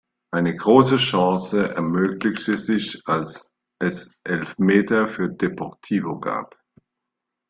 Eine große Chance ermöglichte sich, als es Elfmeter für Deportivo gab.